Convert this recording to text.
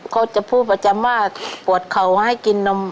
ก็จะพูดประจำว่าปวดเข่าให้กินนม